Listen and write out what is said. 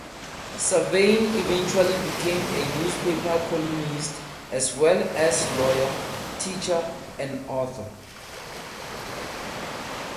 Savain eventually became a newspaper columnist, as well as lawyer, teacher, and author.